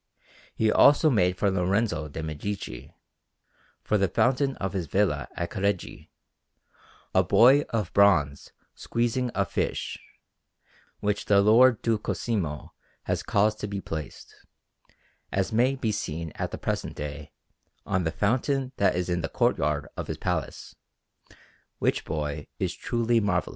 He also made for Lorenzo de' Medici, for the fountain of his Villa at Careggi, a boy of bronze squeezing a fish, which the Lord Duke Cosimo has caused to be placed, as may be seen at the present day, on the fountain that is in the courtyard of his Palace; which boy is truly marvellous.